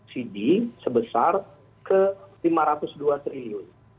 cd sebesar ke rp lima ratus dua triliun